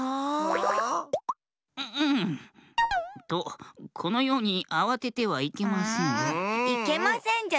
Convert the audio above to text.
とこのようにあわててはいけません。